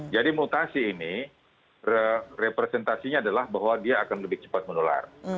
jadi mutasi ini representasinya adalah bahwa dia akan lebih cepat menular